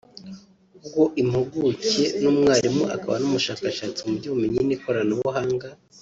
ubwo impuguke n’umwarimu akaba n’umushakashatsi mu by’ubumenyi n’ikoranabuhanga